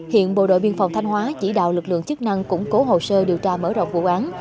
hiện bộ đội biên phòng thanh hóa chỉ đạo lực lượng chức năng củng cố hồ sơ điều tra mở rộng vụ án